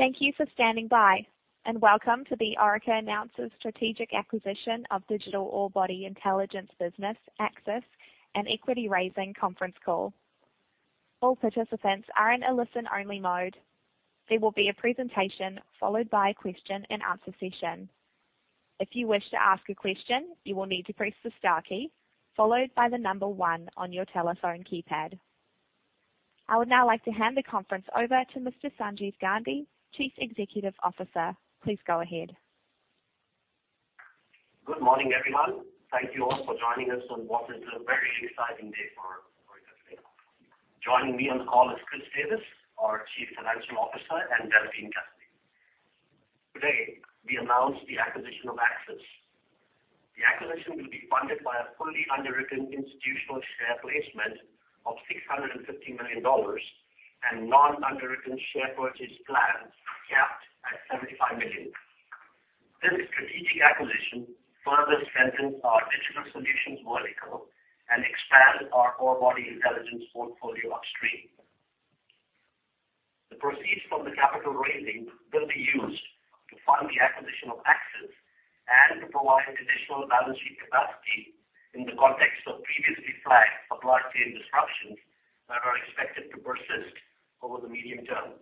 Thank you for standing by and welcome to the Orica announces strategic acquisition of digital Orebody Intelligence business, Axis Mining Technology and Equity Raising conference call. All participants are in a listen-only mode. There will be a presentation followed by a question-and-answer session. If you wish to ask a question, you will need to press the star key followed by the number one on your telephone keypad. I would now like to hand the conference over to Mr. Sanjeev Gandhi, Chief Executive Officer. Please go ahead. Good morning, everyone. Thank you all for joining us on what is a very exciting day for Orica. Joining me on the call is Chris Davis, our Chief Financial Officer, and Andrew Stewart. Today, we announce the acquisition of Axis. The acquisition will be funded by a fully underwritten institutional share placement of 650 million dollars and non-underwritten share purchase plan capped at 75 million. This strategic acquisition further strengthens our digital solutions vertical and expands Orebody Intelligence portfolio upstream. The proceeds from the capital raising will be used to fund the acquisition of Axis and to provide additional balance sheet capacity in the context of previously flagged supply chain disruptions that are expected to persist over the medium term.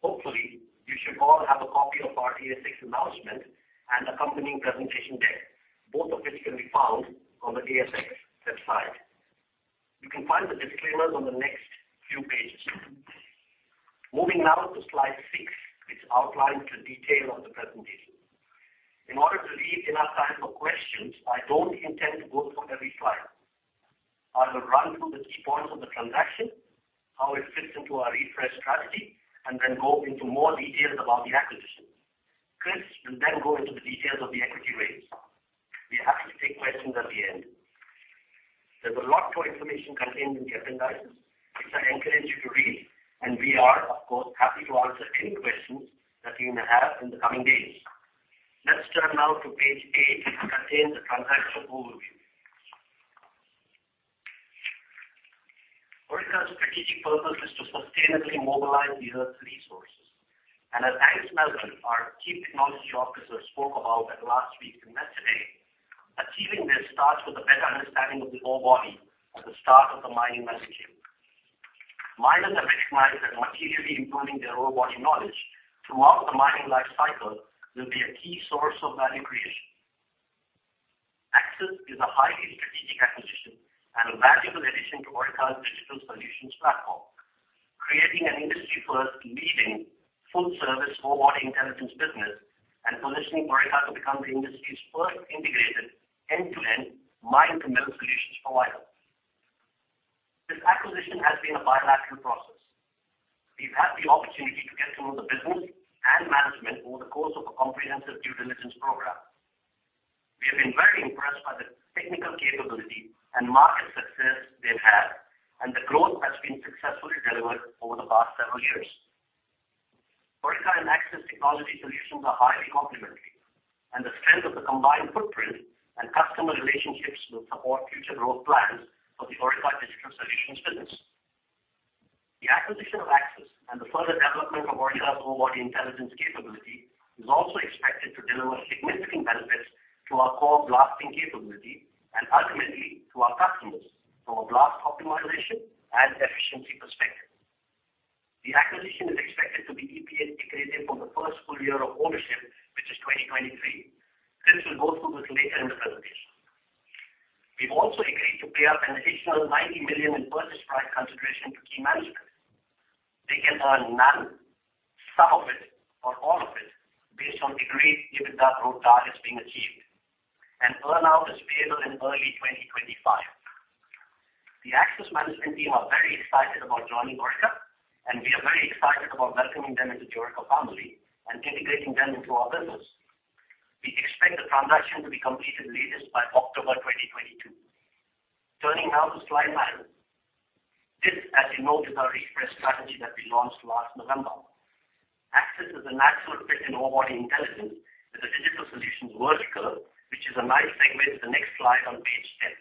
Hopefully, you should all have a copy of our ASX announcement and accompanying presentation deck, both of which can be found on the ASX website. You can find the disclaimers on the next few pages. Moving now to slide six, which outlines the detail of the presentation. In order to leave enough time for questions, I don't intend to go through every slide. I will run through the key points of the transaction, how it fits into our refreshed strategy, and then go into more details about the acquisition. Chris will then go into the details of the equity raise. Be happy to take questions at the end. There's a lot more information contained in the appendices, which I encourage you to read, and we are, of course, happy to answer any questions that you may have in the coming days. Let's turn now to page eight, which contains the transaction overview. Orica's strategic purpose is to sustainably mobilize the Earth's resources. As Angus Melbourne, our Chief Technology Officer, spoke about at last week's Investor Day, achieving this starts with a better understanding of the orebody at the start of the mining life cycle. Miners have recognized that materially improving their orebody knowledge throughout the mining life cycle will be a key source of value creation. Axis is a highly strategic acquisition and a valuable addition to Orica's Digital Solutions platform, creating an industry-first, leading full-service Orebody Intelligence business and positioning Orica to become the industry's first integrated end-to-end Mine-to-Mill solutions provider. This acquisition has been a bilateral process. We've had the opportunity to get to know the business and management over the course of a comprehensive due diligence program. We have been very impressed by the technical capability and market success they've had, and the growth has been successfully delivered over the past several years. Orica and Axis Mining Technology are highly complementary, and the strength of the combined footprint and customer relationships will support future growth plans for the Orica Digital Solutions business. The acquisition of Axis Mining Technology and the further development of Orica's Orebody Intelligence capability is also expected to deliver significant benefits to our core blasting capability and ultimately to our customers from a blast optimization and efficiency perspective. The acquisition is expected to be EPS accretive for the first full year of ownership, which is 2023. Chris will go through this later in the presentation. We've also agreed to pay an additional 90 million in purchase price consideration to key management. They can earn none, some of it, or all of it based on agreed EBITDA growth targets being achieved. Earn-out is payable in early 2025. The Axis management team are very excited about joining Orica, and we are very excited about welcoming them into the Orica family and integrating them into our business. We expect the transaction to be completed latest by October 2022. Turning now to slide nine. This, as you know, is our refreshed strategy that we launched last November. Axis is a natural fit in Orebody Intelligence with the digital solutions vertical, which is a nice segment to the next slide on page 10.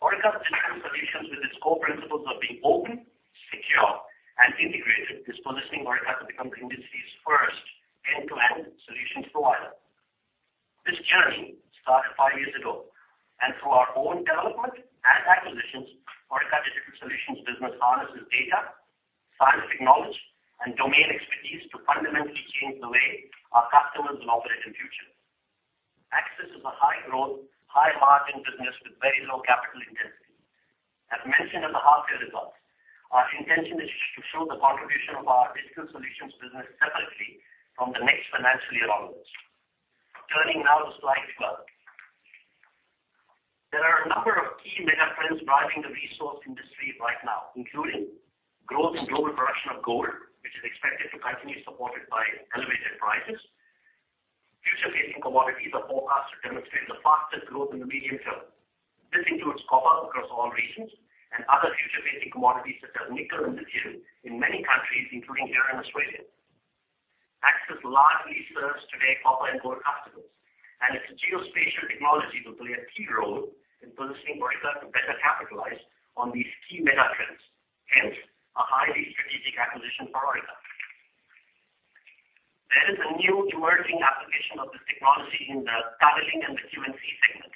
Orica Digital Solutions with its core principles of being open, secure, and integrated is positioning Orica to become the industry's first end-to-end solutions provider. This journey started five years ago. Through our own development and acquisitions, Orica Digital Solutions business harnesses data, scientific knowledge, and domain expertise to fundamentally change the way our customers will operate in future. Axis is a high-growth, high-margin business with very low capital intensity. As mentioned in the half year results, our intention is to show the contribution of our Digital Solutions business separately from the next financial year onwards. Turning now to slide 12. There are a number of key mega trends driving the resource industry right now, including growth in global production of gold, which is expected to continue supported by elevated prices. Future-facing commodities are forecast to demonstrate the fastest growth in the medium term. This includes copper across all regions and other future-facing commodities such as nickel and lithium in many countries, including here in Australia. Axis largely serves today copper and gold customers, and its geospatial technology will play a key role in positioning Orica to better capitalize on these key mega trends, hence a highly strategic acquisition for Orica. There is a new emerging application of this technology in the targeting and the Q&C segment,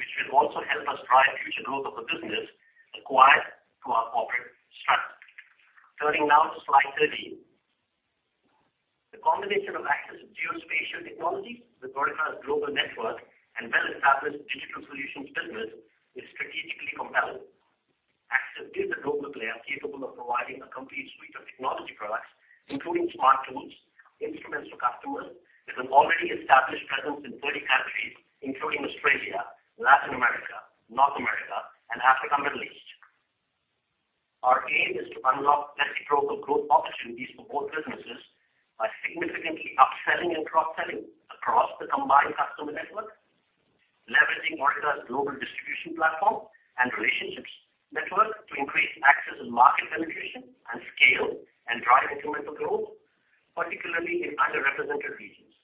which will also help us drive future growth of the business according to our corporate strategy. Turning now to slide 13. The combination of Axis' geospatial technology with Orica's global network and well-established digital solutions business is strategically compelling. Axis is a global player capable of providing a complete suite of technology products, including smart tools, instruments for customers with an already established presence in 30 countries, including Australia, Latin America, North America and Africa and Middle East. Our aim is to unlock massive growth opportunities for both businesses by significantly upselling and cross-selling across the combined customer network. Leveraging Orica's global distribution platform and relationships network to increase Axis' market penetration and scale and drive incremental growth, particularly in underrepresented regions.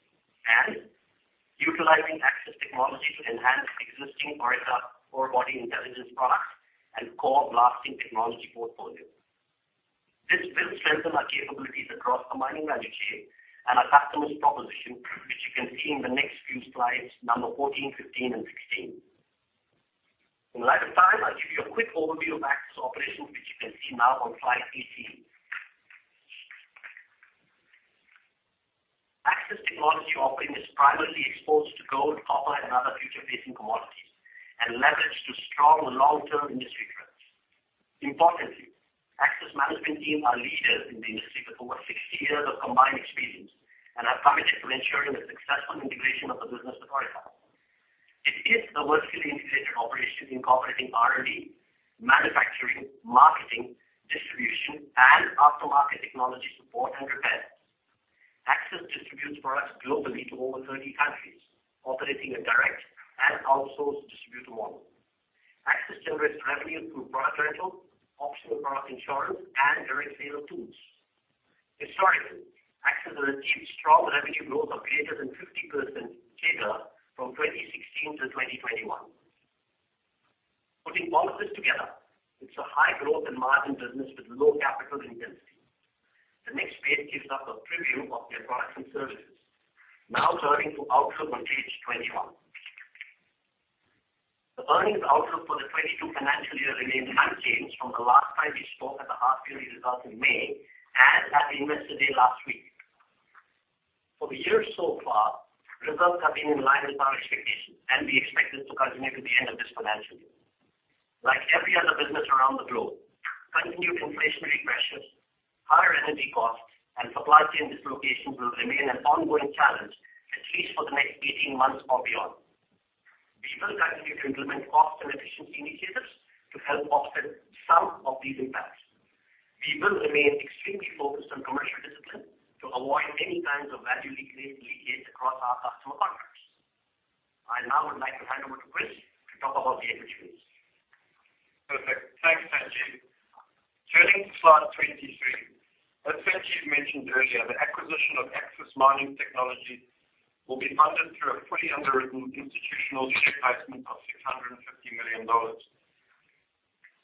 Utilizing Axis technology to enhance existing Orica Orebody Intelligence products and core blasting technology portfolio. This will strengthen our capabilities across the mining value chain and our customer proposition, which you can see in the next few slides, numbers 14, 15, and 16. In the interest of time, I'll give you a quick overview of Axis operations, which you can see now on slide 18. Axis technology offering is primarily exposed to gold, copper and other future-facing commodities and leveraged to strong long-term industry trends. Importantly, Axis management team are leaders in the industry with over 60 years of combined experience and are committed to ensuring the successful integration of the business with Orica. It is a vertically integrated operation incorporating R&D, manufacturing, marketing, distribution, and aftermarket technology support and repair. Axis distributes products globally to over 30 countries, operating a direct and outsourced distributor model. Axis generates revenue through product rental, optional product insurance, and direct sale of tools. Historically, Axis has achieved strong revenue growth of greater than 50% CAGR from 2016 to 2021. Putting all of this together, it's a high growth and margin business with low capital intensity. The next page gives us a preview of their products and services. Now turning to outlook on page 21. The earnings outlook for the 2022 financial year remains unchanged from the last time we spoke at the half period results in May and at Investor Day last week. For the year so far, results have been in line with our expectations, and we expect this to continue to the end of this financial year. Like every other business around the globe, continued inflationary pressures, higher energy costs, and supply chain dislocations will remain an ongoing challenge, at least for the next 18 months or beyond. We will continue to implement cost and efficiency initiatives to help offset some of these impacts. We will remain extremely focused on commercial discipline to avoid any kinds of value leakage across our customer contracts. I now would like to hand over to Chris to talk about the opportunities. Perfect. Thanks, Sanjeev. Turning to slide 23. As Sanjeev mentioned earlier, the acquisition of Axis Mining Technology will be funded through a fully underwritten institutional share placement of 650 million dollars.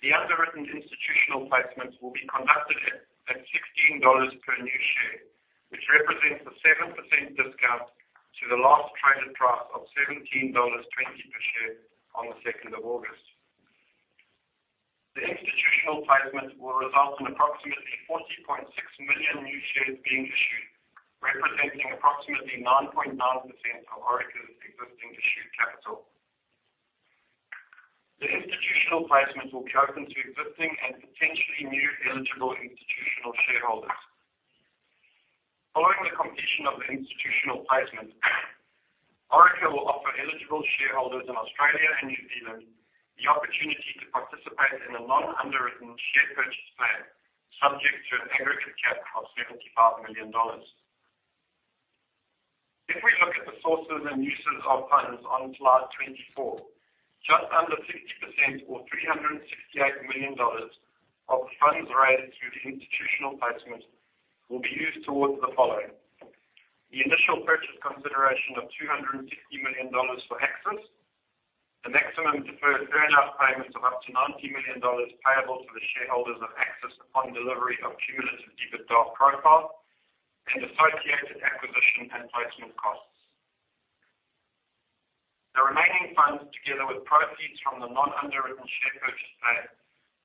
The underwritten institutional placement will be conducted at 16 dollars per new share, which represents a 7% discount to the last traded price of 17.20 dollars per share on the second of August. The institutional placement will result in approximately 40.6 million new shares being issued, representing approximately 9.9% of Orica's existing issued capital. The institutional placement will be open to existing and potentially new eligible institutional shareholders. Following the completion of the institutional placement, Orica will offer eligible shareholders in Australia and New Zealand the opportunity to participate in a non-underwritten share purchase plan, subject to an aggregate cap of 75 million dollars. If we look at the sources and uses of funds on slide 24, just under 50% or 368 million dollars of the funds raised through the institutional placement will be used towards the following. The initial purchase consideration of 250 million dollars for Axis. The maximum deferred earn out payments of up to 90 million dollars payable to the shareholders of Axis upon delivery of cumulative EBITDA profile and associated acquisition and placement costs. The remaining funds, together with proceeds from the non-underwritten share purchase plan,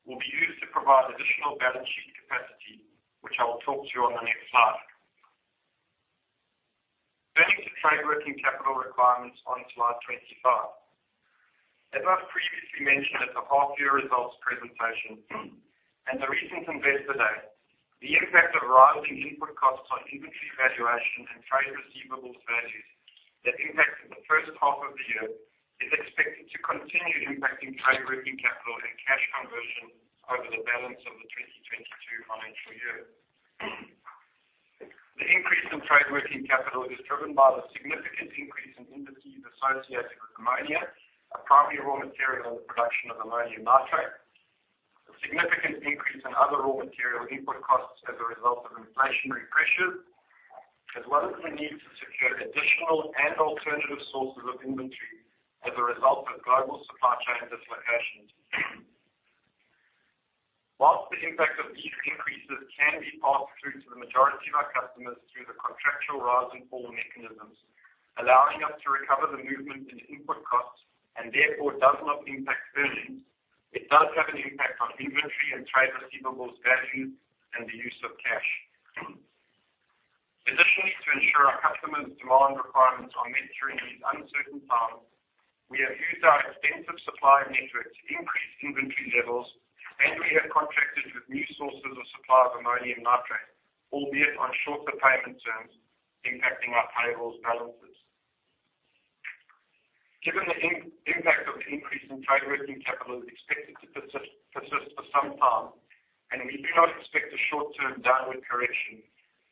will be used to provide additional balance sheet capacity, which I will talk to on the next slide. Turning to trade working capital requirements on slide 25. As I've previously mentioned at the half year results presentation and the recent Investor Day, the impact of rising input costs on inventory valuation and trade receivables values that impacted the first half of the year is expected to continue impacting trade working capital and cash conversion over the balance of the 2022 financial year. The increase in trade working capital is driven by the significant increase in inventories associated with ammonia, a primary raw material in the production of ammonium nitrate. Significant increase in other raw material input costs as a result of inflationary pressures, as well as the need to secure additional and alternative sources of inventory as a result of global supply chain dislocations. While the impact of these increases can be passed through to the majority of our customers through the contractual rise and fall mechanisms, allowing us to recover the movement in input costs and therefore does not impact earnings, it does have an impact on inventory and trade receivables value and the use of cash. Additionally, to ensure our customers' demand requirements are met during these uncertain times, we have used our extensive supply network to increase inventory levels, and we have contracted with new sources of supply of ammonium nitrate, albeit on shorter payment terms, impacting our payables balances. Given the impact of increase in trade working capital is expected to persist for some time, and we do not expect a short-term downward correction.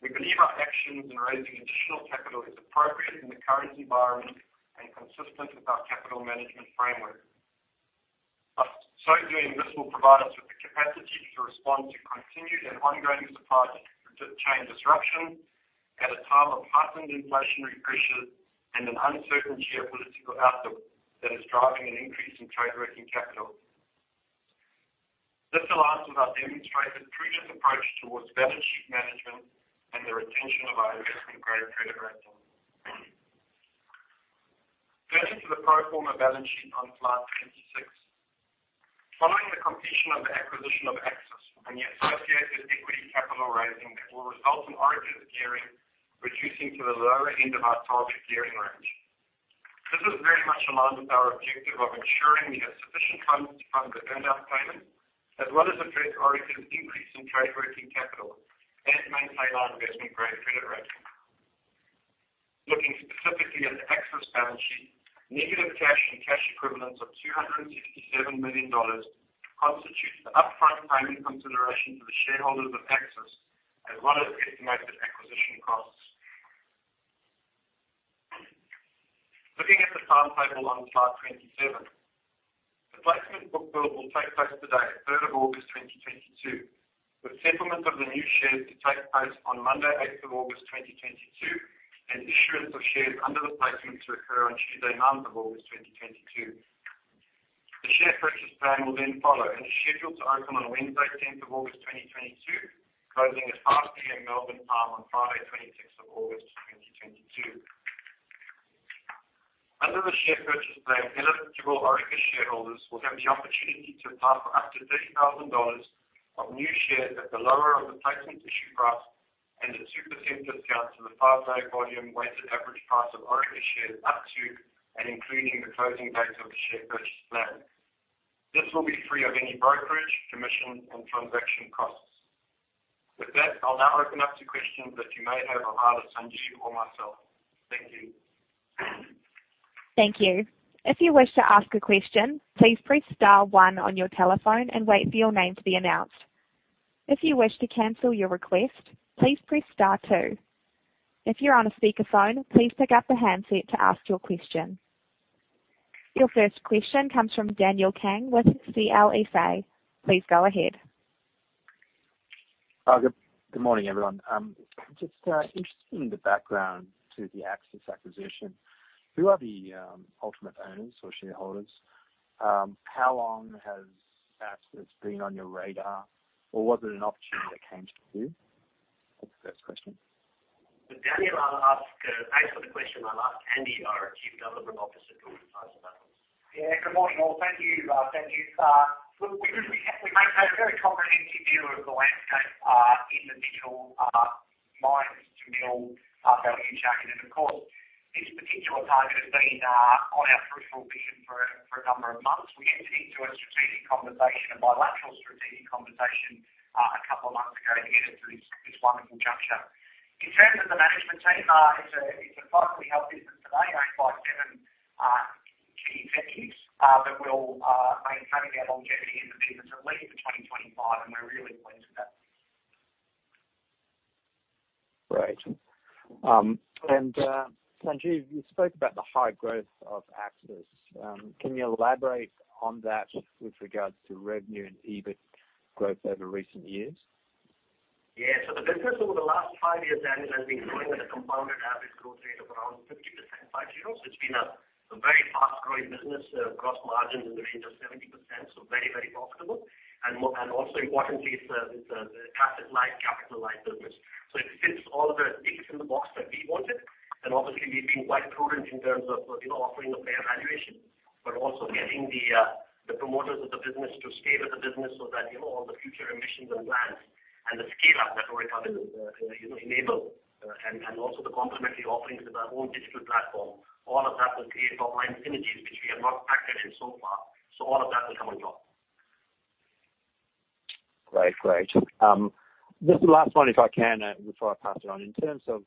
We believe our actions in raising additional capital is appropriate in the current environment and consistent with our capital management framework. By so doing, this will provide us with the capacity to respond to continued and ongoing supply chain disruption at a time of heightened inflationary pressures and an uncertain geopolitical outcome that is driving an increase in trade working capital. This aligns with our demonstrated prudent approach towards balance sheet management and the retention of our investment grade credit rating. Turning to the pro forma balance sheet on slide 26. Following the completion of the acquisition of Axis and the associated equity capital raising that will result in Orica's gearing reducing to the lower end of our target gearing range. This is very much aligned with our objective of ensuring we have sufficient funds to fund the earnout payment, as well as address Orica's increase in trade working capital and maintain our investment grade credit rating. Looking specifically at the Axis balance sheet, negative cash and cash equivalents of 257 million dollars constitute the upfront payment consideration to the shareholders of Axis, as well as estimated acquisition costs. Looking at the timetable on slide 27. The placement bookbuild will take place today, 3rd of August 2022, with settlement of the new shares to take place on Monday, 8th of August 2022, and issuance of shares under the placement to occur on Tuesday, 9th of August 2022. The share purchase plan will then follow and is scheduled to open on Wednesday, tenth of August 2022, closing at 5 P.M. Melbourne time on Friday, 26th of August 2022. Under the share purchase plan, eligible Orica shareholders will have the opportunity to apply for up to 30,000 dollars of new shares at the lower of the placement issue price and a 2% discount to the five-day volume weighted average price of Orica shares up to and including the closing date of the share purchase plan. This will be free of any brokerage, commission, and transaction costs. With that, I'll now open up to questions that you may have of either Sanjeev or myself. Thank you. Thank you. If you wish to ask a question, please press star one on your telephone and wait for your name to be announced. If you wish to cancel your request, please press star two. If you're on a speakerphone, please pick up the handset to ask your question. Your first question comes from Daniel Kang with CLSA. Please go ahead. Good morning, everyone. Just interested in the background to the Axis acquisition. Who are the ultimate owners or shareholders? How long has Axis been on your radar? Was it an opportunity that came to you? That's the first question. Daniel, based on the question, I'll ask Andy, our Chief Development Officer, to respond to that one. Good morning, all. Thank you, Sanjeev. We maintain a very comprehensive view of the landscape in the digital Mine-to-Mill value chain. Of course, this particular target has been on our peripheral vision for a number of months. We entered into a strategic conversation, a bilateral strategic conversation, a couple of months ago to get us to this wonderful juncture. In terms of the management team, it's a privately held business today owned by seven key executives that will maintaining our longevity in the business at least till 2025, and we're really pleased with that. Great. Sanjeev, you spoke about the high growth of Axis. Can you elaborate on that with regards to revenue and EBIT growth over recent years? Yeah. The business over the last five years, Daniel, has been growing at a compound average growth rate of around 50% five-year. It's been a very fast-growing business. Gross margins in the range of 70%, very profitable. Also importantly, it's a capital-light business. It ticks all the boxes that we wanted. Obviously we've been quite prudent in terms of you know offering a fair valuation, but also getting the promoters of the business to stay with the business so that you know all the future ambitions and plans and the scale-up that Orica can you know enable and also the complementary offerings with our own digital platform, all of that will create ongoing synergies which we have not factored in so far. All of that will come on board. Great. Just the last one, if I can, before I pass it on. In terms of,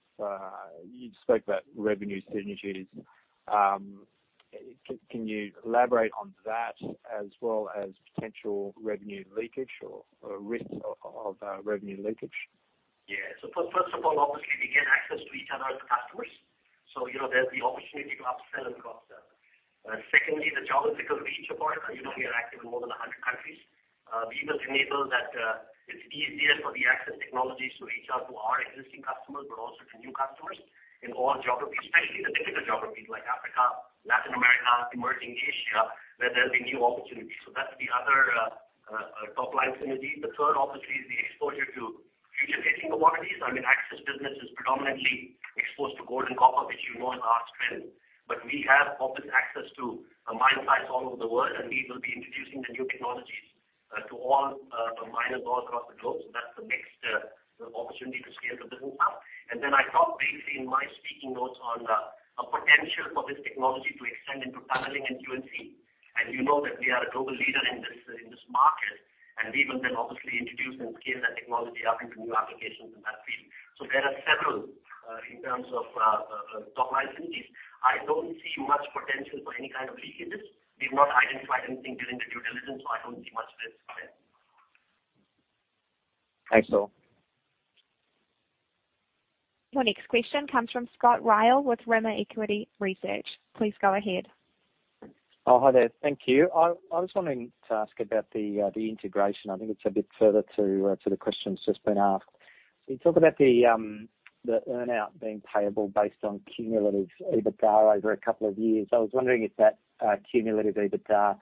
you spoke about revenue synergies. Can you elaborate on that as well as potential revenue leakage or risk of revenue leakage? Yeah. First of all, obviously we get access to each other's customers. You know, there's the opportunity to up-sell and cross-sell. Secondly, the geographical reach of Orica. You know, we are active in more than 100 countries. We will enable that it's easier for the Axis technologies to reach out to our existing customers, but also to new customers in all geographies, especially the difficult geographies like Africa, Latin America, emerging Asia, where there'll be new opportunities. That's the other top-line synergies. The third, obviously, is the exposure to future-facing commodities. I mean, Axis business is predominantly exposed to gold and copper, which you know is our strength. We have obvious access to mine sites all over the world, and we will be introducing the new technologies to all the miners all across the globe. That's the next opportunity to scale the business up. I talked briefly in my speaking notes on a potential for this technology to extend into tunneling and Q&C. You know that we are a global leader in this market, and we will then obviously introduce and scale that technology up into new applications in that field. There are several in terms of top-line synergies. I don't see much potential for any kind of linkages. We've not identified anything during the due diligence, so I don't see much risk there. Thanks all. Your next question comes from Scott Ryall with Rimor Equity Research. Please go ahead. Oh, hi there. Thank you. I was wanting to ask about the integration. I think it's a bit further to the questions just been asked. You talk about the earn-out being payable based on cumulative EBITDA over a couple of years. I was wondering if that cumulative EBITDA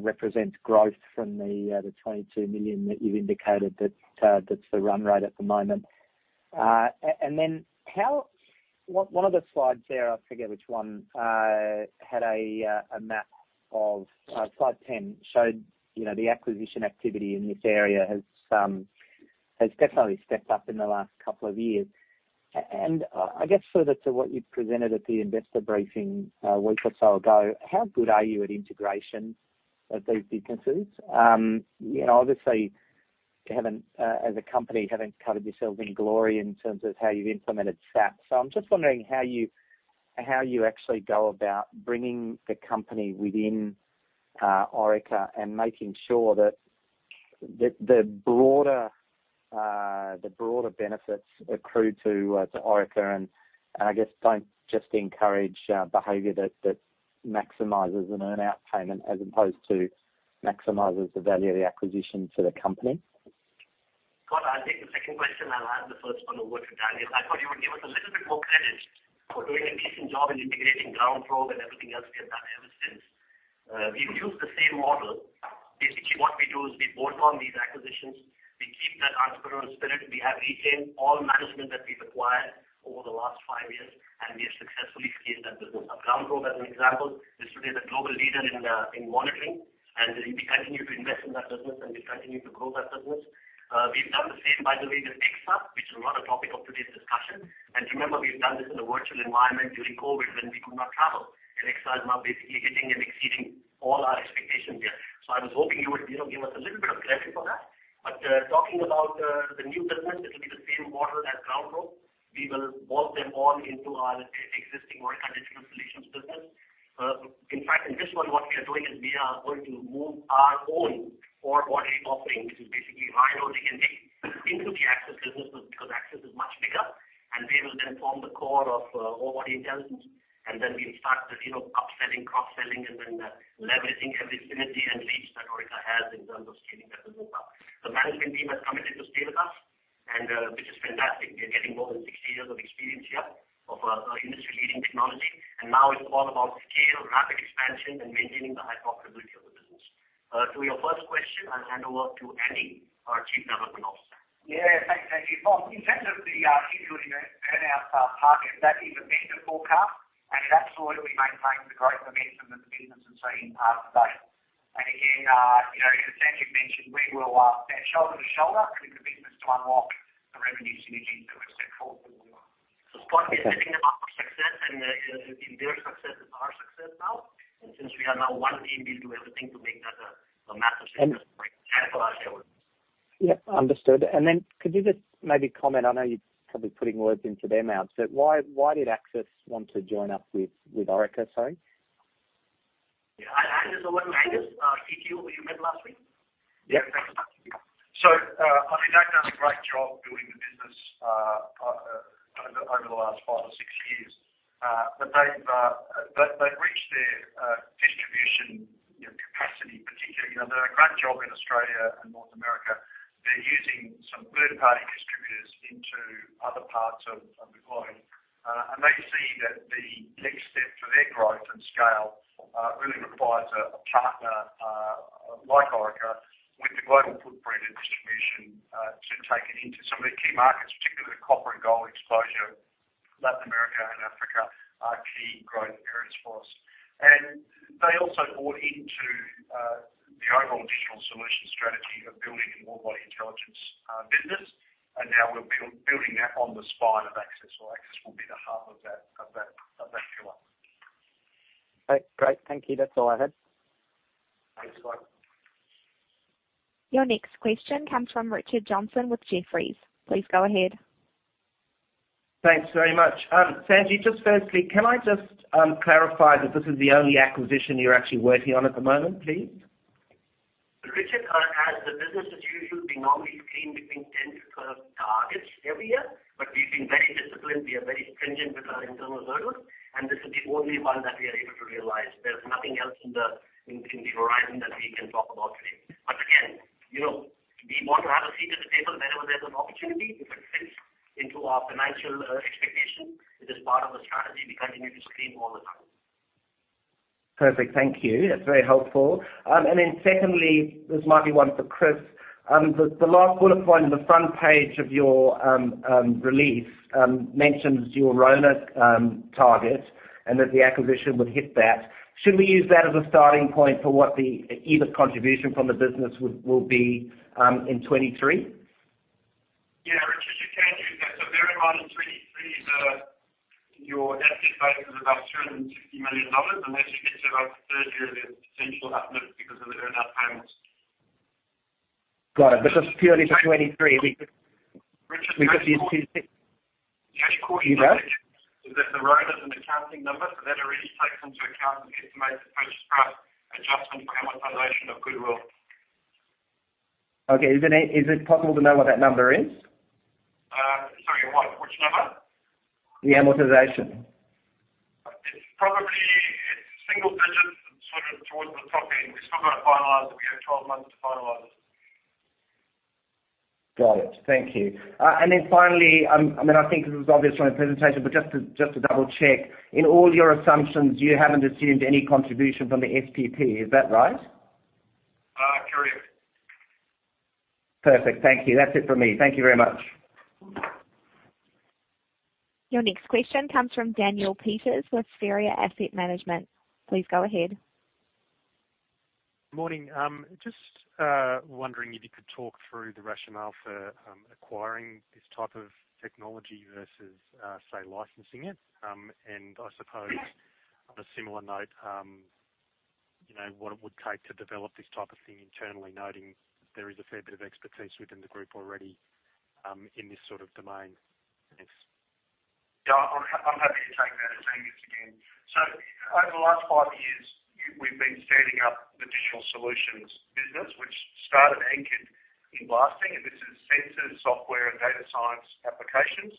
represents growth from the 22 million that you've indicated that's the run rate at the moment. And then how... One of the slides there, I forget which one, had a map of slide 10 showed, you know, the acquisition activity in this area has definitely stepped up in the last couple of years. I guess further to what you'd presented at the investor briefing a week or so ago, how good are you at integration of these businesses? You know, obviously, you, as a company, haven't covered yourselves in glory in terms of how you've implemented SAP. I'm just wondering how you actually go about bringing the company within Orica and making sure that the broader benefits accrue to Orica, and I guess don't just encourage behavior that maximizes an earn-out payment as opposed to maximizes the value of the acquisition to the company. Scott, I'll take the second question. I'll hand the first one over to Andy. I thought you would give us a little bit more credit for doing a decent job in integrating GroundProbe and everything else we have done ever since. We've used the same model. Basically, what we do is we bolt on these acquisitions. We keep that entrepreneurial spirit. We have retained all management that we've acquired over the last five years, and we have successfully scaled that business up. GroundProbe, as an example, is today the global leader in monitoring, and we continue to invest in that business, and we continue to grow that business. We've done the same, by the way, with Exsa, which is not a topic of today's discussion. Remember, we've done this in a virtual environment during COVID when we could not travel. Exsa is now basically hitting and exceeding all our expectations there. I was hoping you would, you know, give us a little bit of credit for that. Talking about the new business, it'll be the same model as GroundProbe. We will bolt them all into our existing Orica Digital Solutions business. In fact, in this one, what we are doing is we are going to move our own orebody offering, which is basically RHINO into the Axis business because Axis is much bigger. We will then form the core of Orebody Intelligence, and then we'll start to, you know, upselling, cross-selling, and then leveraging every synergy and reach that Orica has in terms of scaling that business up. The management team has committed to stay with us, which is fantastic. We are getting more than 60 years of experience here of industry-leading technology. Now it's all about scale, rapid expansion, and maintaining the high profitability of the business. To your first question, I'll hand over to Andrew, our Chief Development Officer. Yeah. Thank you, Sanjeev. In terms of the annuity earn-out target, that is a vendor forecast, and it absolutely maintains the growth momentum that the business has seen to date. Again, you know, as Sanjeev mentioned, we will stand shoulder to shoulder with the business to unlock the revenue synergies that we've set forth that we will. Okay. Scott, we are betting on our success, and their success is our success now. Since we are now one team, we'll do everything to make that a massive success for our shareholders. Yep, understood. Could you just maybe comment, I know you're probably putting words into their mouths, but why did Axis want to join up with Orica, sorry? Yeah. I'll hand this over to Angus. He's here. You met last week. Yeah. Thanks so much. I mean, they've done a great job building the business over the last five or si years. They've reached their distribution, you know, capacity, particularly. You know, they've done a great job in Australia and North America. They're using some third-party distributors into other parts of the globe. They see that the next step for their growth and scale really requires a partner like Orica with the global footprint and distribution to take it into some of their key markets, particularly the copper and gold exposure. Latin America and Africa are key growth areas for us. They also bought into the overall digital solution strategy of building an Orebody Intelligence business. Now we're building that on the spine of Axis, where Axis will be the heart of that pillar. Okay, great. Thank you. That's all I had. Thanks, Scott. Your next question comes from Richard Johnson with Jefferies. Please go ahead. Thanks very much. Sanjeev, just firstly, can I just clarify that this is the only acquisition you're actually working on at the moment, please? We normally screen between 10-12 targets every year, but we've been very disciplined. We are very stringent with our internal hurdles, and this is the only one that we are able to realize. There's nothing else on the horizon that we can talk about today. Again, you know, we want to have a seat at the table whenever there's an opportunity. If it fits into our financial expectation, it is part of the strategy. We continue to screen all the time. Perfect. Thank you. That's very helpful. Secondly, this might be one for Chris. The last bullet point on the front page of your release mentions your RONA target, and that the acquisition would hit that. Should we use that as a starting point for what the EBIT contribution from the business would, will be in 2023? Yeah, Richard, you can use that. Bear in mind in 2023, your asset base is about 260 million dollars. Unless you get to about the third year, there's potential uplift because of the earn-out payments. Got it. Just purely for 2023, we could- Richard, can I just. We could use- Can I just caution you there? You go. Is that the RONA? It's an accounting number. That already takes into account an estimated purchase price adjustment for amortization of goodwill. Okay. Is it possible to know what that number is? Sorry, what? Which number? The amortization. It's probably single digits, sort of towards the top end. We've still gotta finalize it. We have 12 months to finalize it. Got it. Thank you. Finally, I mean, I think this was obvious from the presentation, but just to double-check. In all your assumptions, you haven't assumed any contribution from the SPP. Is that right? Correct. Perfect. Thank you. That's it for me. Thank you very much. Your next question comes from Daniel Peters with Spheria Asset Management. Please go ahead. Morning. Just wondering if you could talk through the rationale for acquiring this type of technology versus say licensing it. I suppose on a similar note, you know, what it would take to develop this type of thing internally, noting that there is a fair bit of expertise within the group already, in this sort of domain. Thanks. Yeah. I'm happy to take that, Angus again. Over the last five years, we've been standing up the digital solutions business, which started anchored in blasting, and this is sensors, software, and data science applications.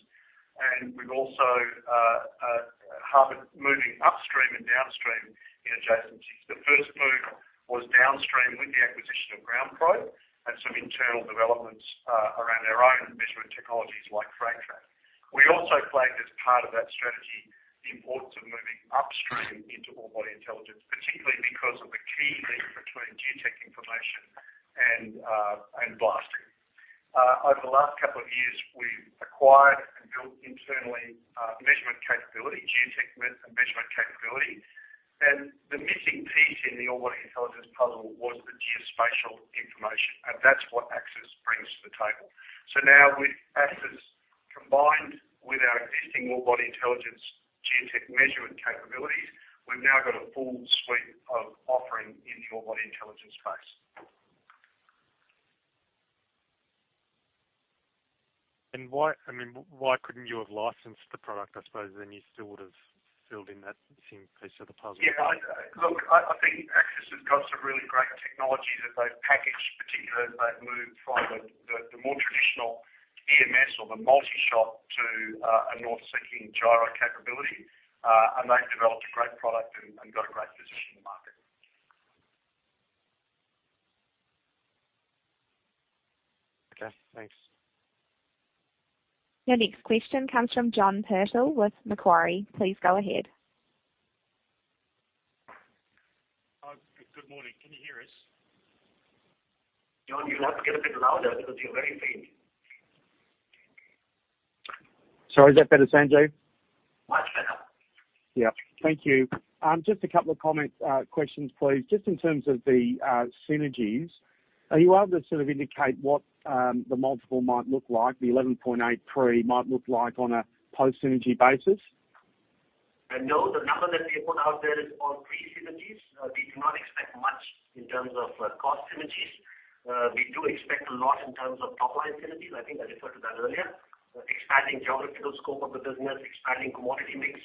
We've also harbored moving upstream and downstream in adjacencies. The first move was downstream with the acquisition of GroundProbe and some internal developments around our own measurement technologies like FRAGTrack. We also flagged as part of that strategy the importance of moving upstream into Orebody Intelligence, particularly because of the key link between geotech information and blasting. Over the last couple of years, we've acquired and built internally measurement capability, geotech measurement capability. The missing piece in the Orebody Intelligence puzzle was the geospatial information, and that's what Axis brings to the table. Now, with Axis combined with our existing Orebody Intelligence geotech measurement capabilities, we've now got a full suite of offering in the Orebody Intelligence space. Why, I mean, why couldn't you have licensed the product, I suppose? You still would have filled in that same piece of the puzzle. Yeah. Look, I think Axis has got some really great technology that they've packaged, particularly as they've moved from the more traditional EMS or the multi-shot to a north-seeking gyro capability. They've developed a great product and got a great position in the market. Okay, thanks. Your next question comes from John Purtell with Macquarie. Please go ahead. Good morning. Can you hear us? John, you'll have to get a bit louder because you're very faint. Sorry, is that better, Sanjeev? Much better. Yeah. Thank you. Just a couple of comments, questions, please. Just in terms of the synergies, are you able to sort of indicate what the multiple might look like, the 11.8x pre might look like on a post-synergy basis? No. The number that we put out there is all pre-synergies. We do not expect much in terms of cost synergies. We do expect a lot in terms of top-line synergies. I think I referred to that earlier. Expanding geographical scope of the business, expanding commodity mix,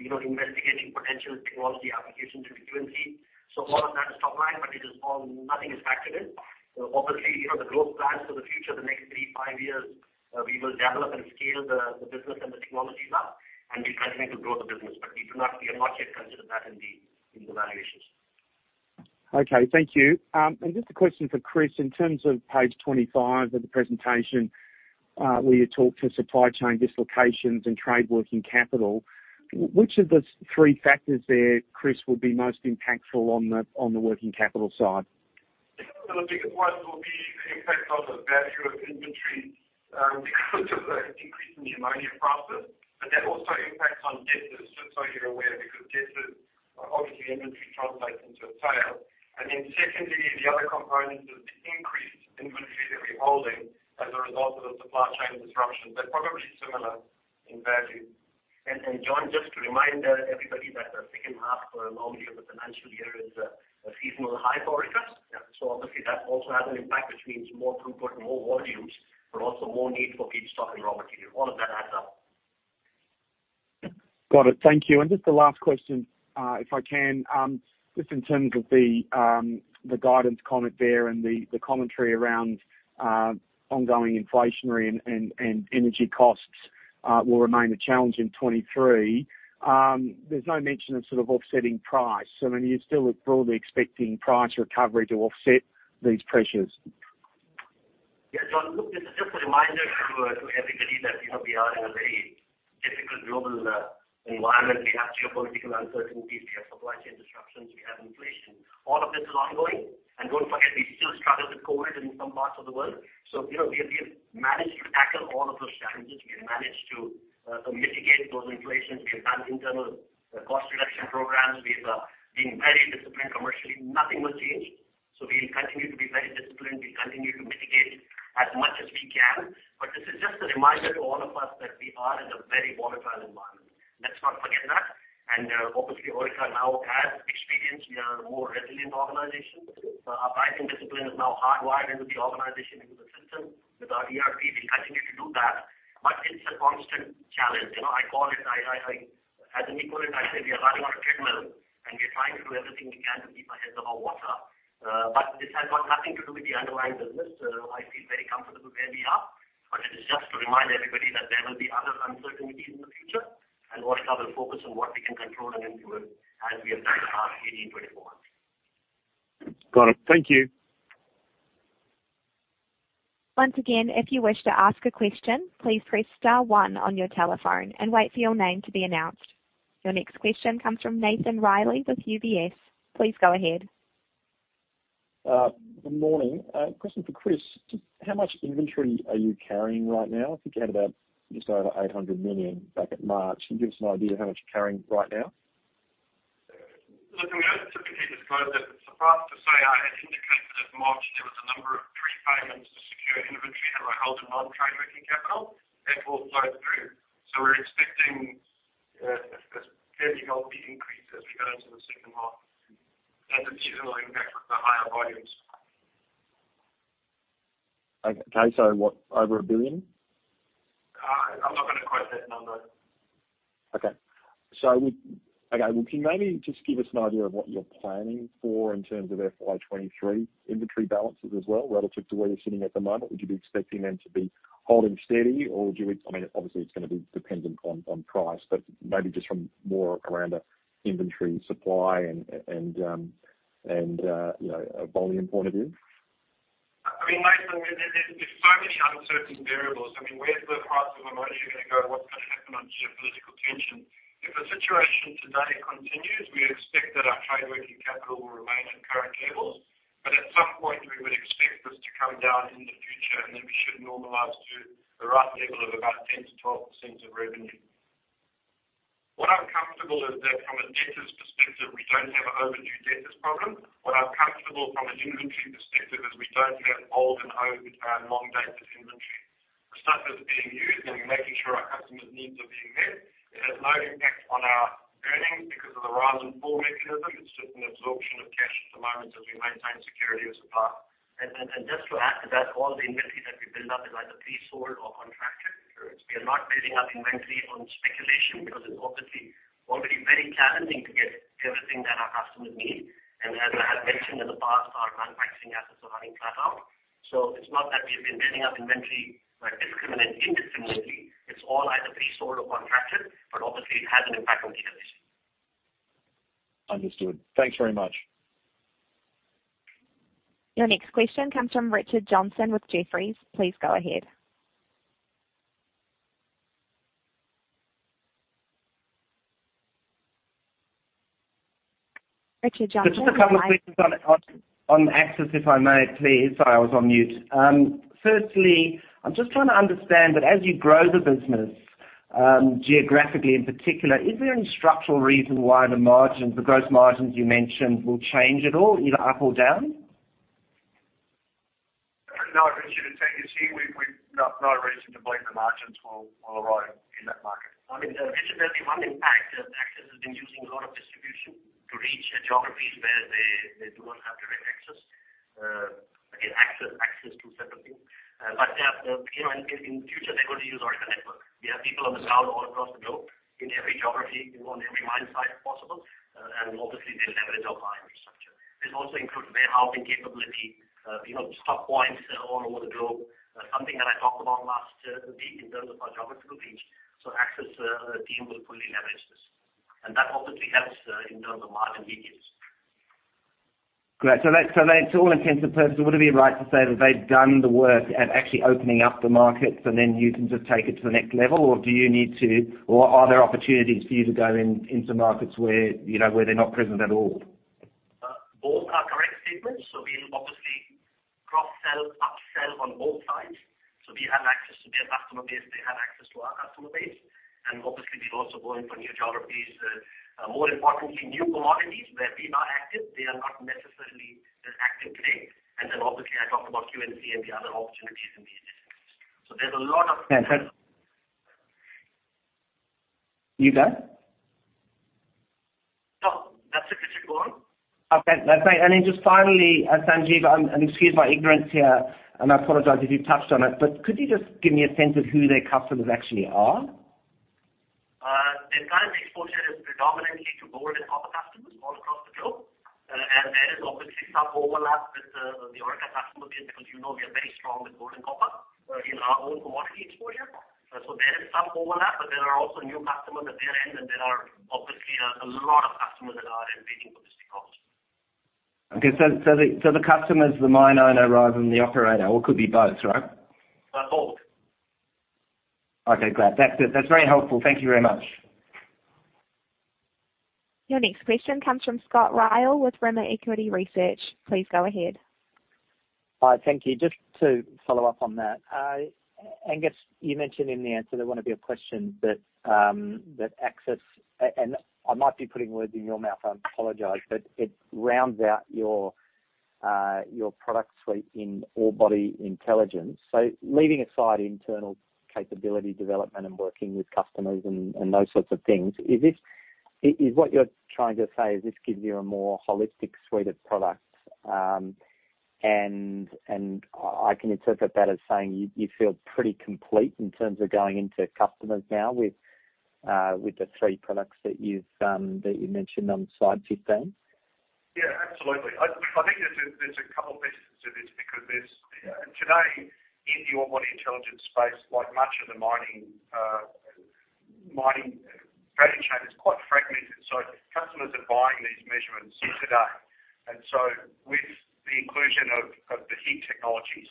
you know, investigating potential technology applications in the future. All of that is top-line, but it is all, nothing is factored in. Obviously, you know, the growth plans for the future, the next 3-5 years, we will develop and scale the business and the technologies up, and we continue to grow the business. We have not yet considered that in the valuations. Okay, thank you. Just a question for Chris. In terms of page 25 of the presentation, where you talk about supply chain dislocations and trade working capital, which of the three factors there, Chris, will be most impactful on the working capital side? The biggest ones will be the impact on the value of inventory, because of the increase in the ammonia prices. That also impacts on debtors, just so you're aware, because debtors, obviously, inventory translates into a sale. Secondly, the other component is the increase in goods received and revolving as a result of the supply chain disruptions. They're probably similar in value. John, just to remind everybody that the second half, normally, of the financial year is a seasonal high for Orica. Yeah. Obviously that also has an impact, which means more throughput and more volumes, but also more need for feedstock and raw material. All of that adds up. Got it. Thank you. Just the last question, if I can, just in terms of the guidance comment there and the commentary around ongoing inflationary and energy costs will remain a challenge in 2023. There's no mention of sort of offsetting price. I mean, you're still broadly expecting price recovery to offset these pressures. Yeah, John, look, this is just a reminder to everybody that, you know, we are in a very difficult global environment. We have geopolitical uncertainties, we have supply chain disruptions, we have inflation. All of this is ongoing. Don't forget, we still struggle with COVID in some parts of the world. You know, we have managed to tackle all of those challenges. We have managed to mitigate those inflations. We have done internal cost reduction programs. We have been very disciplined commercially. Nothing will change. We'll continue to be very disciplined. We continue to mitigate as much as we can. This is just a reminder to all of us that we are in a very volatile environment. Let's not forget that. Obviously, Orica now has experience. We are a more resilient organization. Our pricing discipline is now hardwired into the organization, into the system with our ERP. We continue to do that, but it's a constant challenge. You know, I call it as an equivalent, I say we are running on a treadmill, and we're trying to do everything we can to keep our heads above water. But this has got nothing to do with the underlying business. I feel very comfortable where we are, but it is just to remind everybody that there will be other uncertainties in the future and Orica will focus on what we can control and influence as we have done in our H1 FY 2024. Got it. Thank you. Once again, if you wish to ask a question, please press star one on your telephone and wait for your name to be announced. Your next question comes from Nathan Reilly with UBS. Please go ahead. Good morning. A question for Chris. How much inventory are you carrying right now? I think you had about just over 800 million back at March. Can you give us an idea how much you're carrying right now? Look, I mean, I typically disclose this. Fast to say, I had indicated at March there was a number of pre-payments of secure inventory that I hold in non-trade working capital. That will flow through. We're expecting a fairly healthy increase as we go into the second half and a seasonal impact with the higher volumes. Okay, what? Over 1 billion? I'm not gonna quote that number. Well, can you maybe just give us an idea of what you're planning for in terms of FY 2023 inventory balances as well, relative to where you're sitting at the moment? Would you be expecting them to be holding steady or do it? I mean, obviously, it's gonna be dependent on price, but maybe just from more around an inventory supply and you know, a volume point of view. I mean, Nathan, there's so many uncertain variables. I mean, where's the price of ammonia gonna go? What's gonna happen on geopolitical tension? If the situation today continues, we expect that our trade working capital will remain at current levels. At some point, we would expect this to come down in the future, and then we should normalize to a rough level of about 10%-12% of revenue. What I'm comfortable is that from a debtors perspective, we don't have an overdue debtors problem. What I'm comfortable from an inventory perspective is we don't have old and long dated inventory. The stuff that's being used, I mean, making sure our customers' needs are being met. It has no impact on our earnings because of the rise and fall mechanism. It's just an absorption of cash at the moment as we maintain security of supply. Just to add to that, all the inventory that we build up is either pre-sold or contracted. Sure. We are not building up inventory on speculation because it's obviously already very challenging to get everything that our customers need. As I have mentioned in the past, our manufacturing assets are running flat out. It's not that we have been building up inventory, like, indiscriminately. It's all either pre-sold or contracted, but obviously it has an impact on cash. Understood. Thanks very much. Your next question comes from Richard Johnson with Jefferies. Please go ahead. Just a couple of things on Axis, if I may, please. Sorry, I was on mute. Firstly, I'm just trying to understand that as you grow the business, geographically in particular, is there any structural reason why the margins, the gross margins you mentioned, will change at all, either up or down? No, Richard. As Sanjeev has said, we've got no reason to believe the margins will erode in that market. I mean, Richard, there's one impact that Axis has been using a lot of distribution to reach geographies where they do not have direct access. Again, access to certain things. You know, in future, they're going to use Orica network. We have people on the ground all across the globe in every geography. We're on every mine site if possible. And obviously, they'll leverage off our infrastructure. This also includes warehousing capability, you know, stock points all over the globe. Something that I talked about last week in terms of our geographical reach. Axis team will fully leverage this, and that obviously helps in terms of margin leakage. Great. That's all intents and purposes, would it be right to say that they've done the work at actually opening up the markets, and then you can just take it to the next level? Are there opportunities for you to go in, into markets where, you know, where they're not present at all? Both are correct statements. We'll obviously cross-sell, up-sell on both sides. We have access to their customer base, they have access to our customer base. Obviously, we've also gone in for new geographies. More importantly, new commodities where we are active, they are not necessarily as active today. Obviously, I talked about Q&C and the other opportunities in the Asia-Pacific. There's a lot of- Yeah. You done? No, that's it? Okay. That's it. Just finally, Sanjeev, and excuse my ignorance here, and I apologize if you touched on it, but could you just give me a sense of who their customers actually are? Their current exposure is predominantly to gold and copper customers all across the globe. There is obviously some overlap with the Orica customer base, because, you know, we are very strong with gold and copper in our own commodity exposure. There is some overlap, but there are also new customers at their end, and there are obviously a lot of customers that are waiting for this technology. Okay. The customer is the mine owner rather than the operator, or it could be both, right? Both. Okay, great. That's it. That's very helpful. Thank you very much. Your next question comes from Scott Ryall with Rimor Equity Research. Please go ahead. Hi. Thank you. Just to follow up on that. Angus, you mentioned in the answer that wouldn't be a question that Axis. And I might be putting words in your mouth, I apologize, but it rounds out your product suite in Orebody Intelligence. Leaving aside internal capability development and working with customers and those sorts of things, is this what you're trying to say is this gives you a more holistic suite of products? And I can interpret that as saying you feel pretty complete in terms of going into customers now with the three products that you mentioned on slide 15. Yeah, absolutely. I think there's a couple of pieces to this because there's today, in the Orebody Intelligence space, like much of the mining value chain is quite fragmented. Customers are buying these measurements today. With the inclusion of the RIG technologies,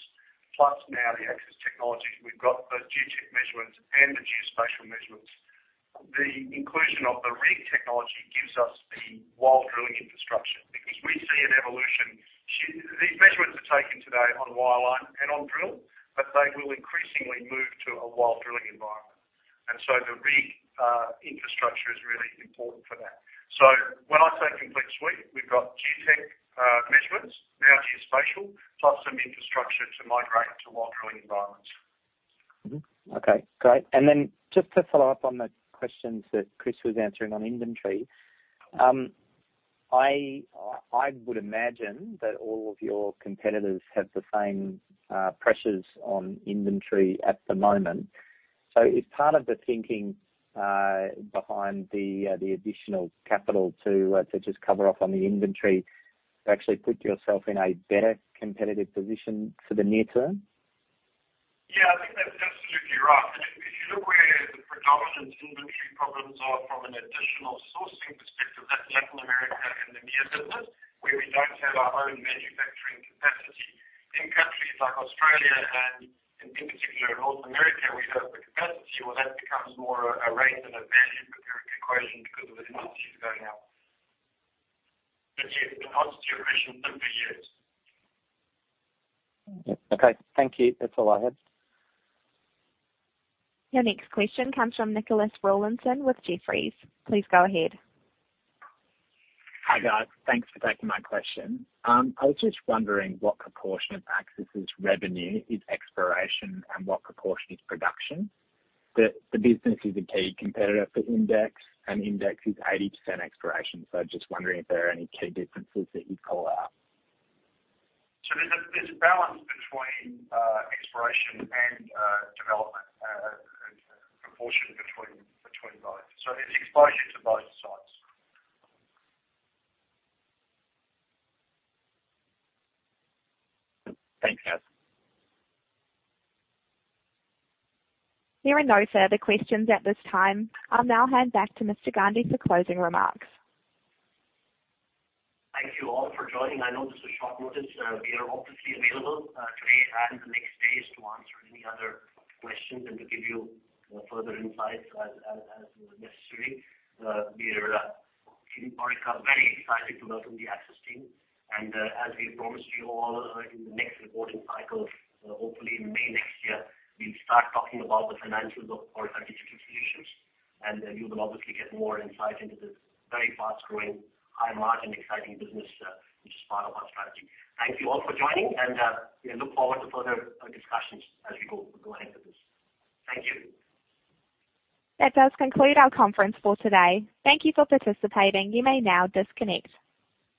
plus now the Axis technologies, we've got the geotech measurements and the geospatial measurements. The inclusion of the RIG Technologies gives us the while-drilling infrastructure because we see an evolution. These measurements are taken today on wireline and on drill, but they will increasingly move to a while-drilling environment. The RIG infrastructure is really important for that. When I say complete suite, we've got geotech measurements, now geospatial, plus some infrastructure to migrate to while-drilling environments. Okay, great. Just to follow up on the questions that Chris was answering on inventory, I would imagine that all of your competitors have the same pressures on inventory at the moment. Is part of the thinking behind the additional capital to just cover off on the inventory to actually put yourself in a better competitive position for the near term? Yeah, I think that's absolutely right. If you look where the predominant inventory problems are from an additional sourcing perspective, that's Latin America and the EMEA business, where we don't have our own manufacturing capacity. In countries like Australia and in particular, North America, we have the capacity. Well, that becomes more a rate and a value comparing equation because of the inventory is going up. The cost generation over years. Okay. Thank you. That's all I had. Your next question comes from Nicholas Rawlinson with Jefferies. Please go ahead. Hi, guys. Thanks for taking my question. I was just wondering what proportion of Axis' revenue is exploration and what proportion is production. The business is a key competitor for IMDEX, and IMDEX is 80% exploration. I'm just wondering if there are any key differences that you'd call out. There's a balance between exploration and development, a proportion between both. There's exposure to both sides. Thanks, guys. There are no further questions at this time. I'll now hand back to Mr. Gandhi for closing remarks. Thank you all for joining. I know this was short notice. We are obviously available today and the next days to answer any other questions and to give you further insights as necessary. We are very excited to welcome the Axis team. As we promised you all in the next reporting cycle, hopefully in May next year, we'll start talking about the financials of Orica Digital Solutions, and you will obviously get more insight into this very fast-growing, high-margin, exciting business, which is part of our strategy. Thank you all for joining, and we look forward to further discussions as we go ahead with this. Thank you. That does conclude our conference for today. Thank you for participating. You may now disconnect.